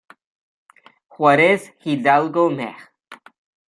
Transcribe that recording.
Juárez Hidalgo Mex.